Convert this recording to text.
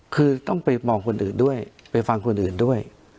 คือต้องไปมองคนอื่นด้วยไปฟังคนอื่นด้วย